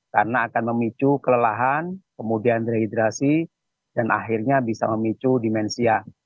karena akan memicu kelelahan kemudian reidrasi dan akhirnya bisa memicu demensia